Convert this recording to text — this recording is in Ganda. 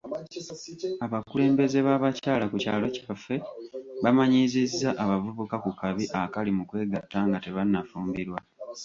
Abakulembeze b'abakyala ku kyalo kyaffe bamanyiizizza abavubuka ku kabi akali mu kwegata nga tebannafumbirwa.